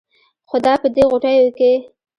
خدا به دې ِغوټېو کې